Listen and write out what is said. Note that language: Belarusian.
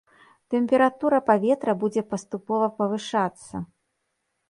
Тэмпература паветра будзе паступова павышацца.